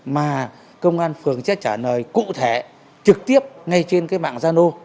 mà công an phường sẽ trả lời cụ thể trực tiếp ngay trên cái mạng gia lô